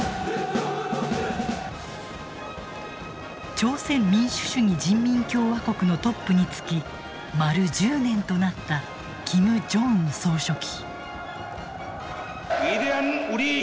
朝鮮民主主義人民共和国のトップに就き丸１０年となったキム・ジョンウン総書記。